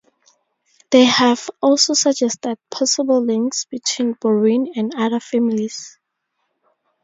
They have also suggested possible links between 'Borean' and other families.